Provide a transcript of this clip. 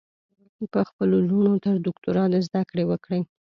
په خپلو لوڼو تر دوکترا ذدکړي وکړئ